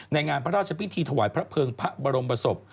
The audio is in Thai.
งานพระราชพิธีถวายพระเภิงพระบรมศพ